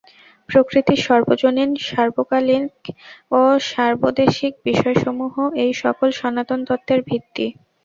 প্রকৃতির সর্বজনীন, সার্বকালিক ও সার্বদেশিক বিষয়সমূহ এই-সকল সনাতন তত্ত্বের ভিত্তি।